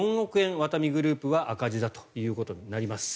ワタミグループは赤字だということになります。